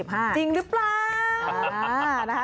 จริงหรือเปล่า